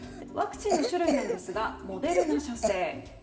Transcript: ワクチンの種類なんですがモデルナ社製。